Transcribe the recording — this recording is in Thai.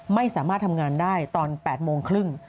ไม่สามารถทำงานได้ตอน๘โมงครึ่ง